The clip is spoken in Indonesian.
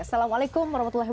assalamualaikum wr wb